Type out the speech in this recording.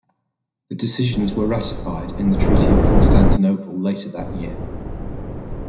The decisions were ratified in the Treaty of Constantinople later that year.